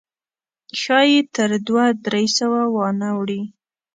ښایي تر دوه درې سوه وانه وړي.